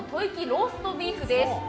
ローストビーフです。